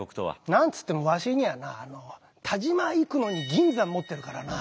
何つってもわしにはな但馬生野に銀山持ってるからな。